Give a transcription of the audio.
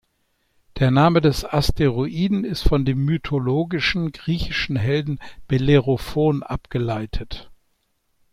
Der Name des Asteroiden ist von dem mythologischen griechischen Helden Bellerophon abgeleitet.